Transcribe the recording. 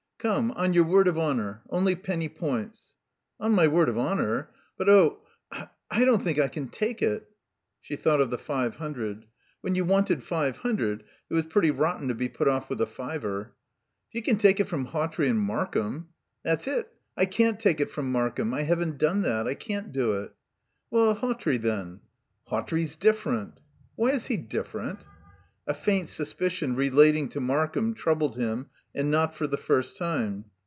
"Come, on your word of honour, only penny points." "On my word of honour.... But, oh, I don't think I can take it." She thought of the five hundred. When you wanted five hundred it was pretty rotten to be put off with a fiver. "If you can take it from Hawtrey and Markham " "That's it. I can't take it from Markham. I haven't done that. I can't do it." "Well, Hawtrey then." "Hawtrey's different" "Why is he different?" A faint suspicion, relating to Markham, troubled him, and not for the first time.